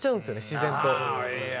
自然と。